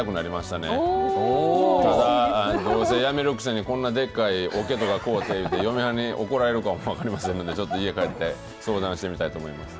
ただ、どうせやめるくせに、こんなでっかい桶とか買うて、嫁はんに怒られるかもしれないので、ちょっと家帰って相談してみたいと思います。